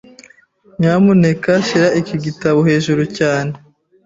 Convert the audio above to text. Nyamuneka shyira iki gitabo hejuru cyane.